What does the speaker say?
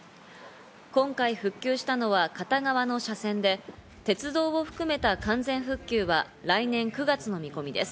今回、復旧したのは片側の車線で、鉄道を含めた完全復旧は来年９月の見込みです。